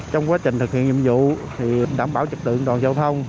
trong quá trình thực hiện nhiệm vụ đảm bảo trực tượng đoàn giao thông